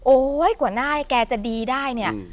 กว่าหน้าให้แกจะดีได้เนี่ย